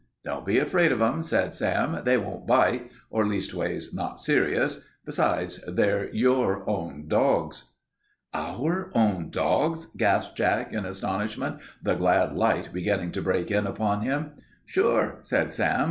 "Don't be afraid of 'em," said Sam. "They won't bite or leastways, not serious. Besides, they're your own dogs." "Our own dogs?" gasped Jack in astonishment, the glad light beginning to break in upon him. "Sure," said Sam.